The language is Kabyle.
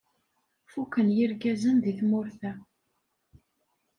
Fuken yirgazen deg tmurt-a.